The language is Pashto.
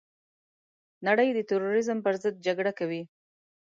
نړۍ د تروريزم پرضد جګړه کوي.